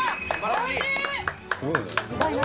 おいしい。